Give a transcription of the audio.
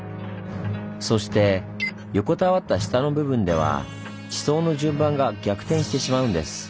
そして横たわった下の部分では地層の順番が逆転してしまうんです。